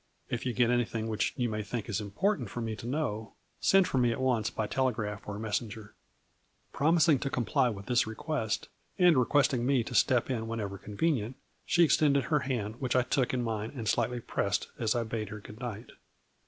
If you get any thing which you may think it important for me to know, send for me at once by telegraph or messenger. 5 ' Promising to comply with this request, and requesting me to step in whenever convenient, she extended her hand which I took in mine and slightly pressed as I bade her good night.